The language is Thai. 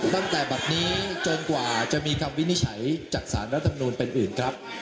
ตั้งแต่แบบนี้จนกว่ามีความวินิไชจากสารรัฐธรรมนุนเป็นอื่นครับ